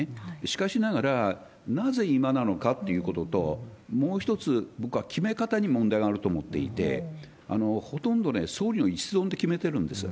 しかしながら、なぜ今なのかということと、もう一つ、僕は決め方に問題があると思っていて、ほとんど総理の一存で決めてるんです。